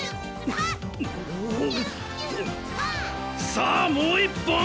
さあもう一本！